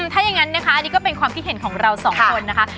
ถ้าอย่างนั้นนะคะอันนี้ก็เป็นความคิดเห็นของเราสองคนนะคะ